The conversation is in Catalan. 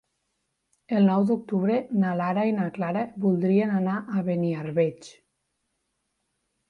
El nou d'octubre na Lara i na Clara voldrien anar a Beniarbeig.